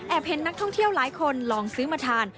เห็นนักท่องเที่ยวหลายคนลองซื้อมาทาน